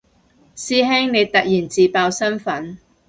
師兄你突然自爆身份